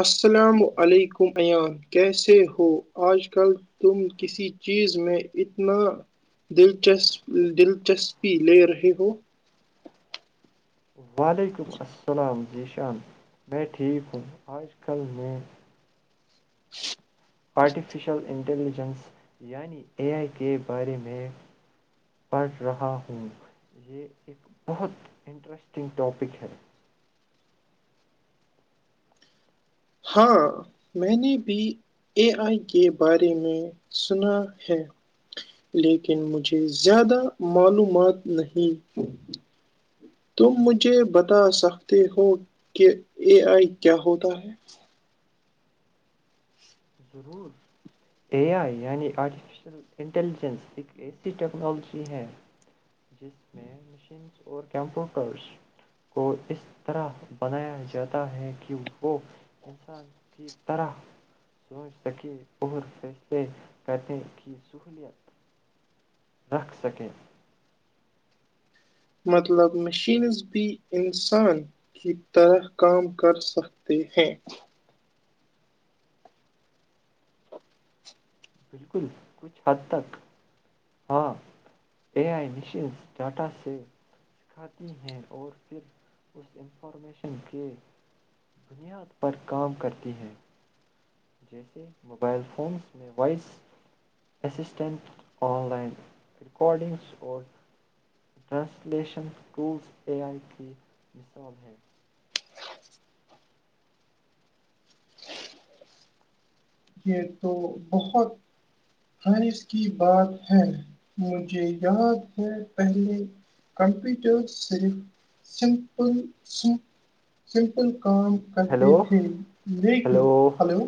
اچ السلام ہلو علیکم ایان کیسے ہو ہو آج کل تم کسی چیز میں اتنا دلچسپی لے رہے ہو وعلیکم السلام جیش چان میں ٹھیک ہوں آج کل میں آرٹیفیشل انٹٹیلیجن یعنی اے آئی کے بارے میں پڑھ رہا ہوں یہ ایک بہت انٹرسٹنگ ٹاپک ہے ہاں میں نے بھی اے آئی کے بارے میں سنا ہے لیکن مجھے زیادہ معلومات نہیں تم مجھے بتا سکتے ہو کہ اے آئی کیا ہوتا ہے ضرور اے آئی یعنی آرٹیفیشیل انٹیلیجنس ایک ایسی ٹیکنالوجی ہے [inaudible] اور کمپیوٹرس کو اس طرح بنایا جاتا ہے کہ وہ انسان کی طرح سوچ سکے اور فیصلے کرنے کی سہوولت رکھ سکیں مطلب مشینز بھی انسان کی طرح کام کر سکتے ہیں بالکل کچھ حد تک ہاں اے آئی مشینس ڈاٹا سے سکھاتی ہیں اور پھر اس انفارمیشن کے بنیاد پر کام کرتی ہیں جیسے موبائل فونس میں voice assistant online recordings اور ٹرانسلیشن ٹولز اے آئی کی مثال ہے یہ تو بہت خانس کی بات ہے مجھے یاد ہے پہلے کمپیوٹر صرف سمپل سمپل کام کرتے ہیلو تھے دیکھیں ہیلو ہلو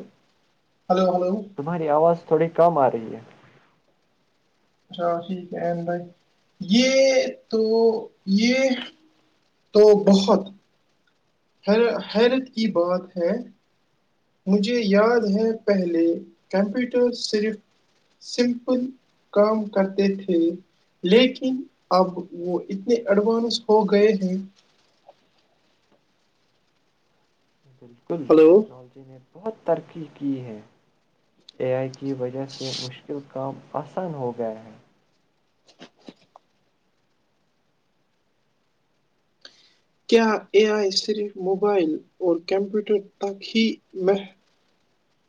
ہلو ہلو تمہاری آواز تھوڑی کم آ رہی ہے اچھا ٹھیک ہے ام بھائی یہ تو یہ تو بہت یر حیرت کی بات ہے مجھے یاد ہے پہلے کمپیوٹر صرف سمپل کام کرتے تھے لیکن اب وہ اتنے ایڈوانس ہو گئے ہیں بالکل ہلو ٹیکنالوجی نے بہت ترقی کی ہے اے آئی کی وجہ سے مشکل کام آسان ہو گیا ہے [inaudible] کیا اے آئی صرف موبائل اور کمپیوٹر تک ہیح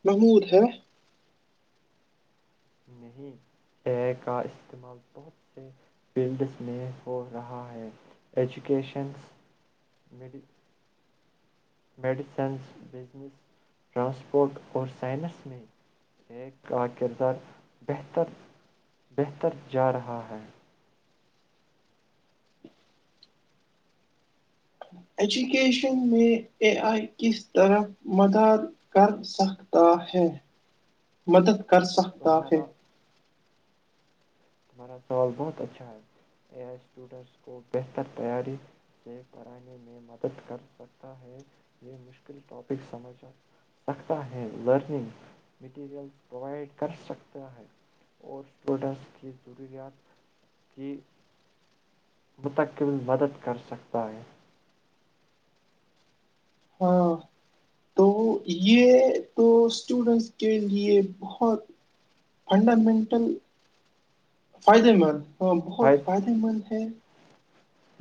محمود ہے نہیں ہے کا استعمال بہت سے فیلڈس میں ہو رہا ایجوکیشنس میڈی میڈیسنس بزنس ٹرانسپورٹ اور سائنس میں ایک کا کردار بہتر بہتر جا رہا ہے ایجوکیشن میں اے آئی کس طرف مدد کر سکتا ہے مدد کر سخ تافے تمہارا تارا سوال بہت اچھا ہے اے آئی اسٹوڈنس کو بہتر تیاری سے پڑھانے میں مدد کر سکتا ہے یہ مشکل ٹاپک سمجھ سکتا ہے لرننگ مٹیریل پروائڈ کر سکتا ہے اور اسٹوڈنٹس کی [inaudible] ضروریات کی متقل مدد کر سکتا ہے ہاں تو یہ تو اسٹوڈنس کے لیے بہت فنڈامنٹل فائدے مند ہاں بہت فائد فائدے مند ہے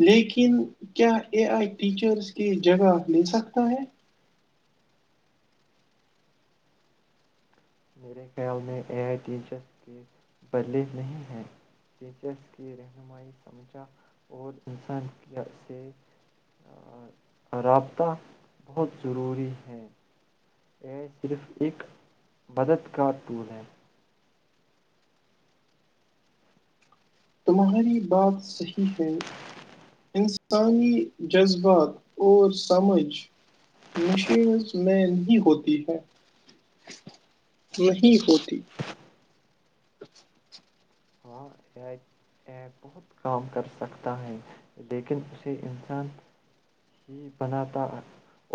لیکن کیا اے آئی ٹیچرز کی جگہ مل سکتا ہے میرے خیال میں اے آئی ٹیچرس کے بدلے نہیں ہیں ٹیچرس کی رہنمائی سمجھا اور انسان سے رابطہ بہت ضروری ہے یہ صرف ایک مددگار ٹول ہے تمہاری بات صحیح ہے انسانی جذبات اور سمجھ مشینز میں نہیں ہوتی ہے نہیں ہوتی ہاں بہت کام کر سکتا ہے لیکن اسے انسان ہی بناتا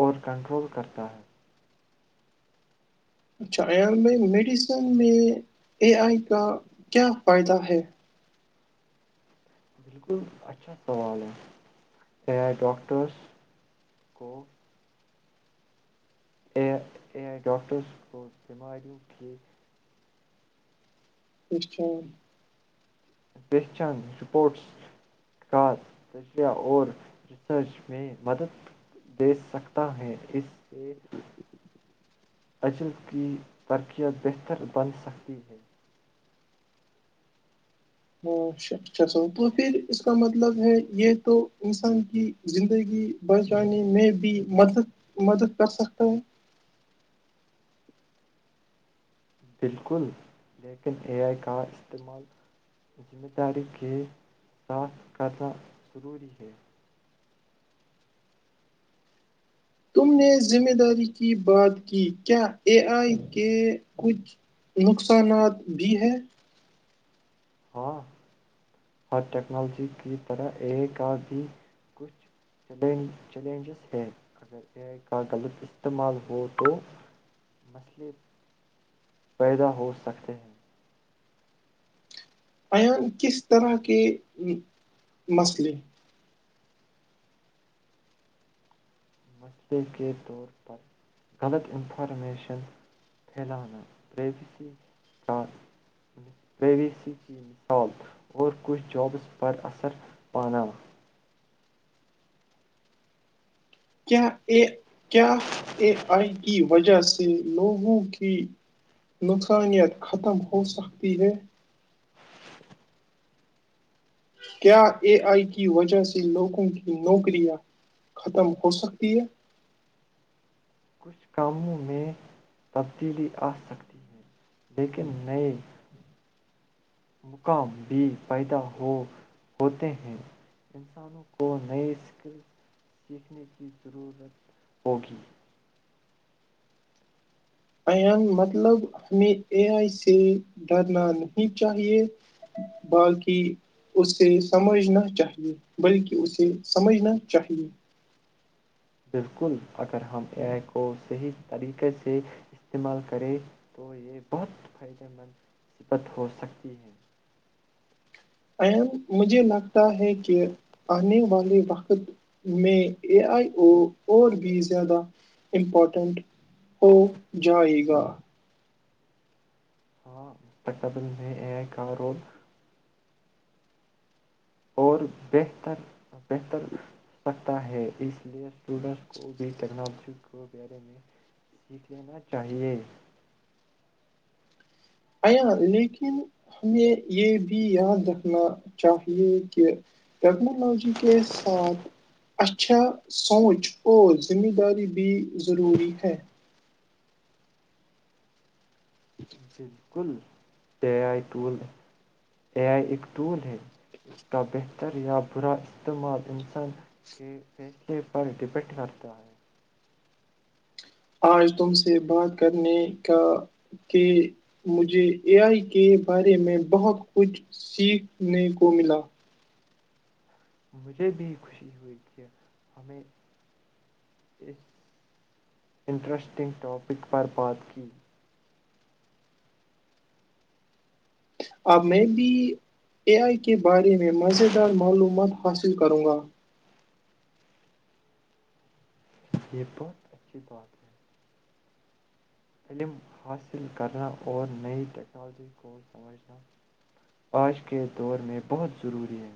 اور کنٹرول کرتا ہے اچھا ایال ب میڈیسن میں اے آئی کا کیا فائدہ ہے بالکل اچھا سوال ہے چ ڈاکٹرس کو A I A I doctors کو بیماریوں کے اچھا پہچان رپورٹس کا تجریہ اور ریسرچ میں مدد دے سکتا ہے اس سے اجل کی ترقیت بہتر بن سکتی ہے ہاں اچھا سا تو پھر اس کا مطلب ہے یہ تو انسان کی زندگی بڑچانے میں بھی مدد مدد کر سکتا ہے بالکل لیکن اے آئی کا استعمال ذمہ داری کے ساتھ کرنا ضروری ہے تم نے ذمہ داری کی بات کی کیا اے آئی کے کچھ نقصانات بھی ہیں ہاں ہر ٹیکنالوجی کی طرح اے کا بھی کچھ چل چیلنجز ہے اگر اےے کا غلط استعمال ہو تو مسئلے پیدا ہو سکتے ہیں ایان کس طرح کے مسئلے مسئلے کے طور پر غلط انفارمیشن پھیلانا پریویسی کا پریویسی کی مثال اور کچھ جابس پر اثر پانا کیا یہ کیا ا آئی و وجہ سے لوگوں کی نقصانیت ختم ہو سکتی ہے کیا اے آئی کی وجہ سے لوگوں کی نوکریاں ختم ہو سکتی ہیں کچھ کاموں میں تبدیلی آ سکتی ہے لیکن نہیں مقام بھی پیدا ہو ہوتے ہیں انسانوں کو نئے اسکلس سیکھنے کی ضرورت ہوگی ایان مطلب ہمیں اے آئی سے ڈرنا نہیں چاہیے بلقی اسے سمجھنا چاہیے بلکہ اسے سمجھنا چاہیے بالکل اگر ہم ائی کو صحیح طریقے سے استعمال کریں تو یہ بہت فائدے مند صبت ہو سکتی ہے ام مجھے لگتا ہے کہ آنے والے وقت میں اے آئی او اور بھی زیادہ امپورٹنٹ ہو جائے گا آ متکبل میں کاارول اور بہتر بہتر سکتا ہے اس لیے اسٹوڈینٹس کو بھی ٹیکنالوجی کے بارے میں سیکھ لینا چاہیے عں لیکن ہمیں یہ بھی یاد رکھنا چاہیے کہ ٹیکنالوجی کے ساتھ اچھا سوچ اور ذمہ داری بھی ضروری ہے بالکل اے آئی ٹول اے آئی ایک ٹول ہے اس کا بہتر یا برا استعمال انسان کے فیصلے پر ڈپینڈ کرتا ہے آج تم سے بات کرنے کا کہ مجھے اے آئی کے بارے میں بہت کچھ سیکھنے کو ملا مجھے بھی خوشی ہوئی کہ ہمیں اس انٹرسٹنگ ٹاپک پر بات کی اب میں بھی اے آئی کے بارے میں مزیدار معلومات حاصل کروں گا یہ بات اچھی بات ہے علم حاصل کرنا اور نئی ٹیکنالوجی کو سمجھنا آج کے دور میں بہت ضروری ہے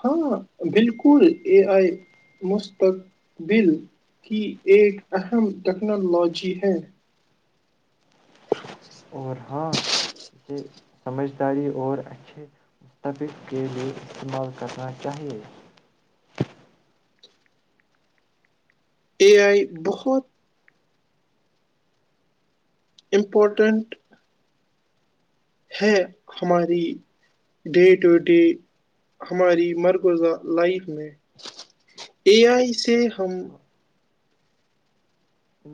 ہاں بالکل اے آئی مستقبل کی ایک اہم ٹیکنالوجی ہے اور ہاں اسے سمجھداری اور اچھے مستفق کے لئے استعمال کرنا چاہیے اے آئی بہت امپورٹنٹ ہے ہماری ڈے ٹو ڈے ہماری مرکوزہ لائف میں اے آئی سے ہم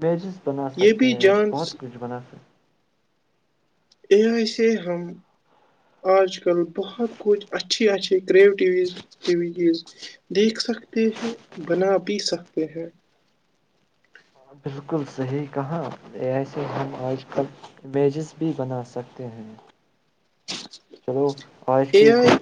ب ج [inaudible] بنا یہ سکتے بھی ہیں جان بہت کچھ بنا سک [unintelligible] بالکل صحیح کہااں ایسے ہم آج کل امیجز بھی بنا سکتے ہیں چلو خش کی اے [inaudible] [unintelligible] آئی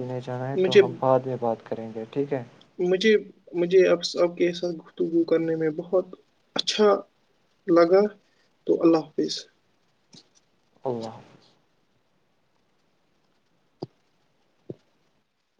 نہیں جانا ہے تو مجھے ہم بعد میں بات کر کریں گے ٹھیک ہے مجھے مجھے اپ کے ساتھ گفتگو کرنے میں بہت اچھا لگا تو اللہ حافظ اللہ حافظ